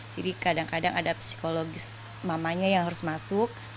jadi kadang kadang ada psikologis mamanya yang harus masuk